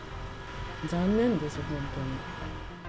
残念です、本当に。